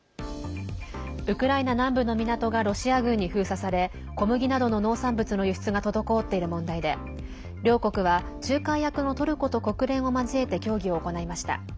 ウクライナ南部の港がロシア軍に封鎖され小麦などの農産物の輸出が滞っている問題で両国は仲介役のトルコと国連を交えて協議を行いました。